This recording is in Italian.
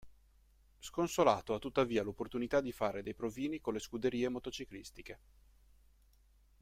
Sconsolato ha tuttavia l'opportunità di fare dei provini con le scuderie motociclistiche.